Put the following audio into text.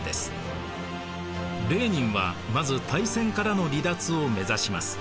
レーニンはまず大戦からの離脱を目指します。